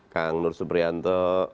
kang nur suprianto